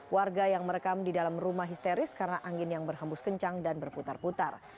warga yang merekam di dalam rumah histeris karena angin yang berhembus kencang dan berputar putar